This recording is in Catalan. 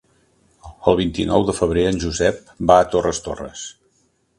El vint-i-nou de febrer en Josep va a Torres Torres.